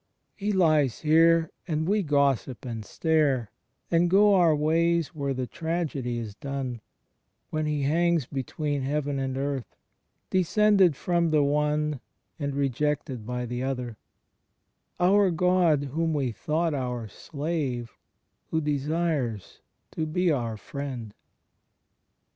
* He lies here, and we gossip and stare, and go our ways where the tragedy is done, when He hangs between heaven and earth, descended from the one and rejected by the other — our God whom we thought our slave, who desires to be our Friend.